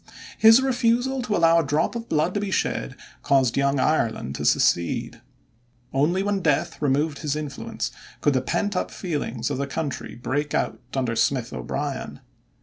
His refusal to allow a drop of blood to be shed caused Young Ireland to secede. Only when death removed his influence could the pent up feelings of the country break out under Smith O'Brien.